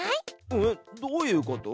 えっどういうこと？